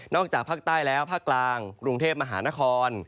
จากภาคใต้แล้วภาคกลางกรุงเทพมหานคร